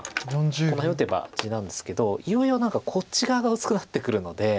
この辺打てば地なんですけどいよいよ何かこっち側が薄くなってくるので。